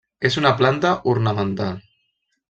És una planta ornamental.